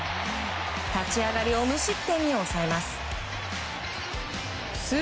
立ち上がりを無失点に抑えます。